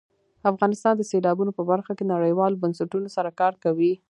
افغانستان د سیلابونه په برخه کې نړیوالو بنسټونو سره کار کوي.